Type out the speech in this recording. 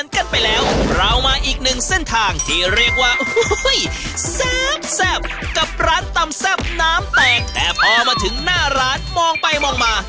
กับร้านตำแซ่บน้ำแตกแต่พอมาถึงหน้าร้านมองไปมองมา